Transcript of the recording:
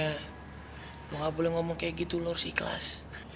kau tidak boleh berkata begitu lord siklas